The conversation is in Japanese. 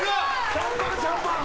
シャンパン、シャンパン。